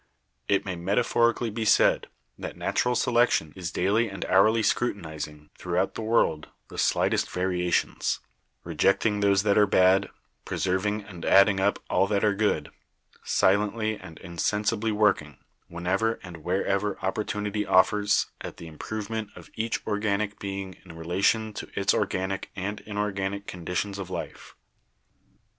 "It may metaphorically be said that natural selection is daily and hourly scrutinizing, throughout the world, the slightest variations; rejecting those that are bad, preserving and adding up all that are good; silently and insensibly working, whenever and wherever opportunity* offers, at the improvement of each organic being in rela tion to its organic and inorganic conditions of life.